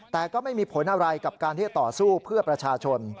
แต่ก็ไม่มีผลอะไรกับการที่จะต่อสู้เพื่อประชาชน